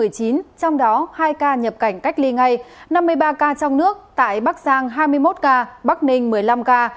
trong đó hai ca nhập cảnh cách ly ngay năm mươi ba ca trong nước tại bắc giang hai mươi một ca bắc ninh một mươi năm ca